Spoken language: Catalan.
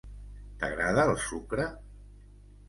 T'agrada el sucre?